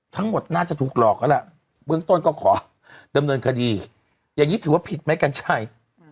ทั้งหมดน่าจะถูกหลอกแล้วล่ะเบื้องต้นก็ขอดำเนินคดีอย่างนี้ถือว่าผิดไหมกัญชัย